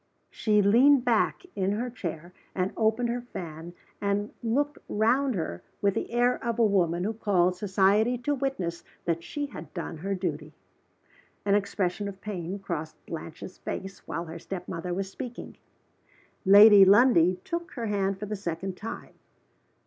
She leaned back in her chair, and opened her fan, and looked round her with the air of a woman who called society to witness that she had done her duty. An expression of pain crossed Blanche's face while her step mother was speaking. Lady Lundie took her hand for the second time.